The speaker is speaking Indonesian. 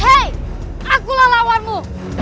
hei akulah lawanmu